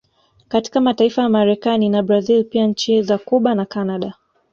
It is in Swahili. Katika mataifa ya Marekani na Brazil pia nchi za Cuba na Canada